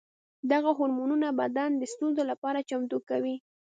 دغه هورمونونه بدن د ستونزو لپاره چمتو کوي.